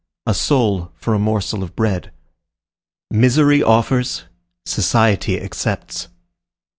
A soul for a morsel of bread. Misery offers; society accepts.